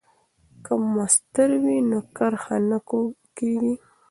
که مسطر وي نو کرښه نه کوږ کیږي.